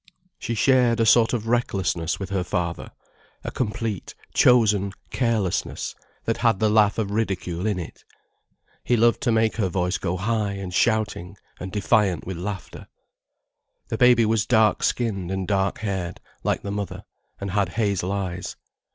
She shared a sort of recklessness with her father, a complete, chosen carelessness that had the laugh of ridicule in it. He loved to make her voice go high and shouting and defiant with laughter. The baby was dark skinned and dark haired, like the mother, and had hazel eyes.